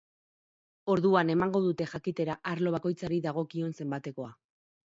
Orduan emango dute jakitera arlo bakoitzari dagokion zenbatekoa.